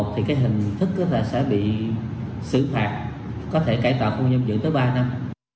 thì cái hình thức đó sẽ bị xử phạt có thể cải tạo không nhân dự tới ba năm